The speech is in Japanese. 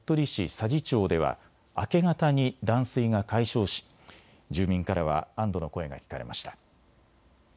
佐治町では明け方に断水が解消し住民からは安どの声が聞かれました。